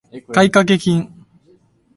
買掛金